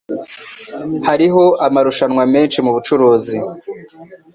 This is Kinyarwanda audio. Hariho amarushanwa menshi mubucuruzi.